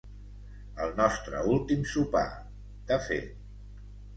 El nostre últim sopar, de fet.